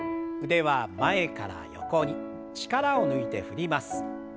腕は前から横に力を抜いて振ります。